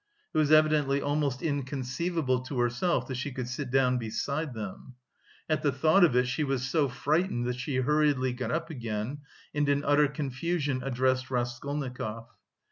It was evidently almost inconceivable to herself that she could sit down beside them. At the thought of it, she was so frightened that she hurriedly got up again, and in utter confusion addressed Raskolnikov.